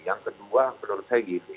yang kedua menurut saya gini